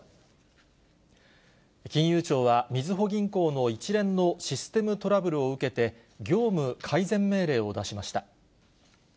金融庁はみずほ銀行の一連のシステムトラブルを受けて、業務改善命令を出しました。